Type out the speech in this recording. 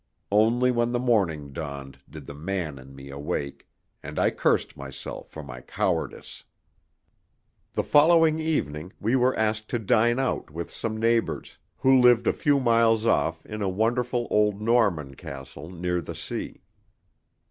Only when the morning dawned did the man in me awake, and I cursed myself for my cowardice. The following evening we were asked to dine out with some neighbours, who lived a few miles off in a wonderful old Norman castle near the sea.